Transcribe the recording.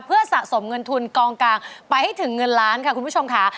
เพื่อสะสมเงินทุนกองกลางไปให้ถึงเงินล้านค่ะคุณผู้ชมค่ะ